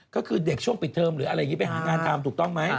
ก็คือเด็กช่วงปิดเทอมหรืออะไรอย่างนี้ไปหางานทำถูกต้องไหม